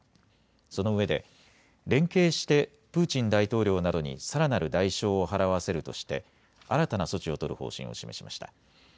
そのうえで連携してプーチン大統領などにさらなる代償を払わせるとして新たな措置を取る方針を示しました。